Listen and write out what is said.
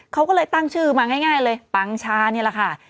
เขาก็เลยตั้งชื่อมาง่ายเลยปังชานี่แหละค่ะ